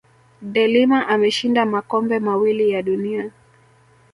de Lima ameshinda makombe mawili ya dunia